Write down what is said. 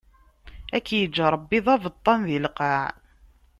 Ad k-iǧǧ Ṛebbi d abeṭṭan di lqaɛ!